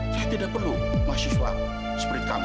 saya tidak perlu mahasiswa seperti kamu